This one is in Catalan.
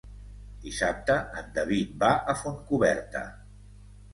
Dissabte en David va a Fontcoberta.